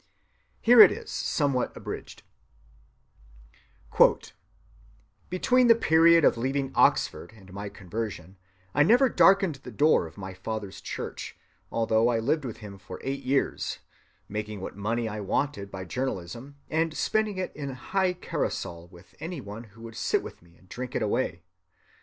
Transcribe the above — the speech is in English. Here it is, somewhat abridged:— "Between the period of leaving Oxford and my conversion I never darkened the door of my father's church, although I lived with him for eight years, making what money I wanted by journalism, and spending it in high carousal with any one who would sit with me and drink it away.